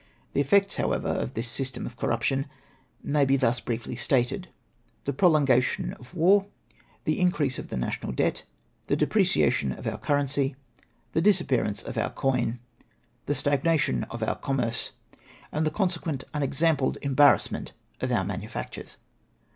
The effects, however, of this system of s 4 264 ADDRESS TO THE ELECTORS. corruption may Le thus briefly stated ; the prolongation of war, the increase of the national debt, the depreciation of our currency, the disappearance of our coin, the stagnation of our commerce, and the consequent unexampled embarrass ment of our manufactures.